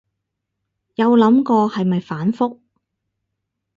有諗過係咪反覆